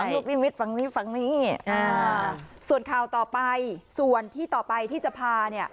ลูกนิมิตฝั่งนี้ฝั่งนี้อ่าส่วนข่าวต่อไปส่วนที่ต่อไปที่จะพาเนี่ย